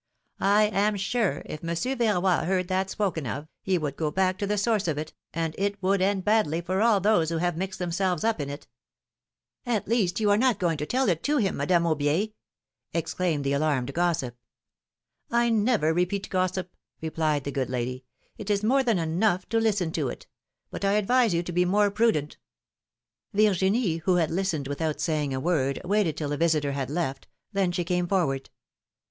I am sure, if Mon sieur Verroy heard that spoken of, he would go back to the source of it, and it would end badly for all those who have mixed themselves up in it ! ^^At least, you are not going to tell it to him, Madame Aubier!^' exclaimed the alarmed gossip. I never repeat gossip,^^ replied the good lady, it is more than enough to listen to it ; but I advise you to be more prudent." no philomI:ne's marriages. Yirginie, who had listened without saying a word, waited till the visitor had left; then she came forward.